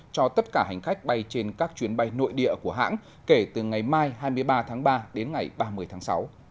cho tất cả hành khách bay trên các chuyến bay nội địa của hãng kể từ ngày mai hai mươi ba tháng ba đến ngày ba mươi tháng sáu